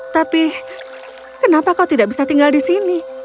tapi kenapa kau tidak bisa tinggal di sini